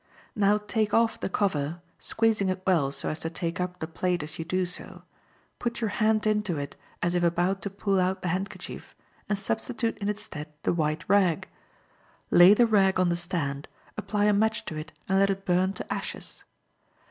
Now take off the cover, squeezing it well so as to take up the plate as you do so; put your hand into it as if about to pull out the handkerchief, and substitute in its stead the white rag. Lay the rag on the stand, apply a match to it, and let it burn to ashes.